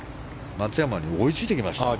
松山に追いついてきましたか。